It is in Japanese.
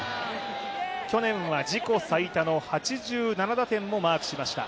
去年は自己最多の８７打点もマークしました。